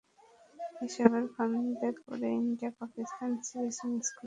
এসবের ফান্দে পড়ে ইন্ডিয়া-পাকিস্তান series miss করতে পারব না আমি।